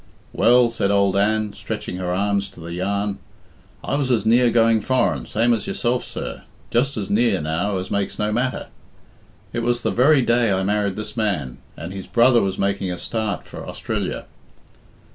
"Well," said old Anne, stretching her arms to the yarn, "I was as near going foreign, same as yourself, sir, just as near, now, as makes no matter. It was the very day I married this man, and his brother was making a start for Austrillya.